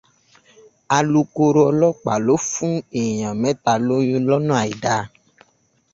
Alukoro ọlọ́pàá lo fún èèyàn mẹ́ta lóyún lọ́nà àìdáa.